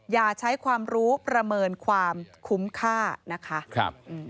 อย่าใช้ความรู้ประเมินความคุ้มค่านะคะ